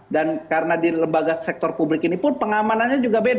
dan karena di lembaga sektor publik ini pun pengamanannya juga beda